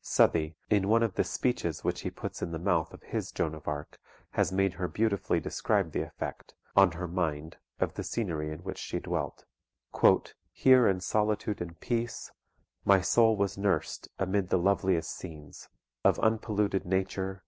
[Southey, in one of the speeches which he puts in the mouth of his Joan of Arc, has made her beautifully describe the effect; on her mind of the scenery in which she dwelt: "Here in solitude and peace My soul was nurst, amid the loveliest scenes Of unpolluted nature.